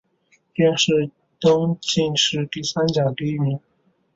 殿试登进士第三甲第一名。